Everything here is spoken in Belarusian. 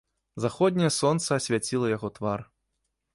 Заходняе сонца асвяціла яго твар.